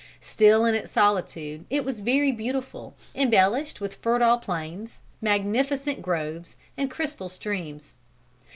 Still in its solitude it was very beautiful, embellished with fertile plains, magnificent groves, and crystal streams.